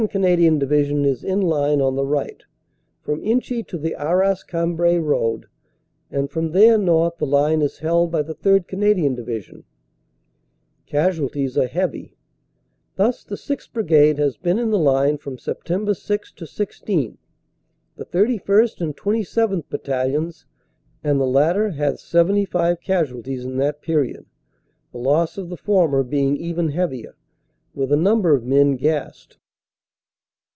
Canadian Division is in line on the right, from Inchy to the Arras Cambrai road, and from there north the line is held by the 3rd. Canadian Division. Casualties are heavy. Thus the 6th. Brigade has in the line from Sept. 6 to 16 the 31st. and 27th. Battalions, and the latter has 75 casualties in that period, the loss of the former being even heavier, with a number of men gassed.